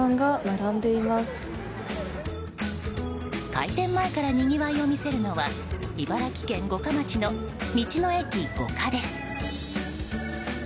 開店前からにぎわいを見せるのは茨城県五霞町の道の駅ごかです。